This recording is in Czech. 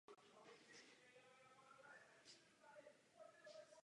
Napadly mne dvě věci.